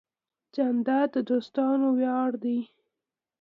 جانداد د دوستانو ویاړ دی.